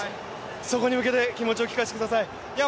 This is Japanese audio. そこに向けて気持ちを聞かせてください。